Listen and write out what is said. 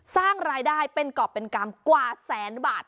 สร้างรายได้เป็นกรอบเป็นกรรมกว่าแสนบาท